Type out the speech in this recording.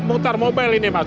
mutar mobil ini mas